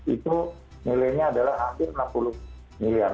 itu nilainya adalah hampir enam puluh miliar